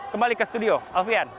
kembali ke studio alfian